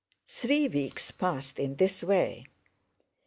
Three weeks passed in this way.